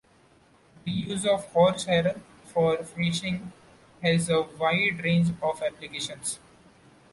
The use of horsehair for fishing has a wide range of applications.